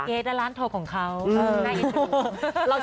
เกรทล้านโทรของเขาน่าอินถูก